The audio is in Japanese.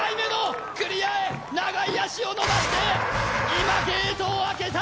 今ゲートを開けた！